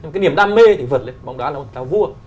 cái niềm đam mê thì vượt lên bóng đá là một tàu vua